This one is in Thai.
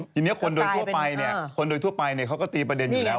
ทีนี้คนโดยทั่วไปเขาก็ตีประเด็นอยู่แล้ว